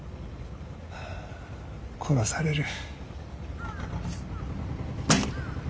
殺される。